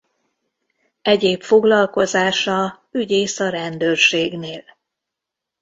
Egyéb foglalkozása ügyész a rendőrségnél.